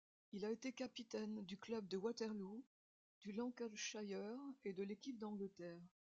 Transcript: Il a été capitaine du club de Waterloo, du Lancashire et de l'équipe d'Angleterre.